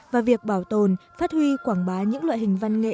và việc bảo tồn phát huy quảng bá những loại hình văn nghệ